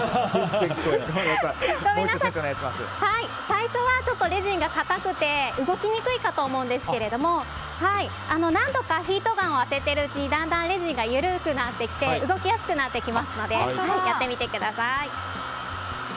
最初はレジンが固くて動きにくいかと思うんですけども何度かヒートガンを当てているうちにだんだんレジンが緩くなってきて動きやすくなってきますのでやってみてください。